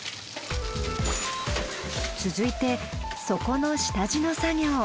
続いて底の下地の作業。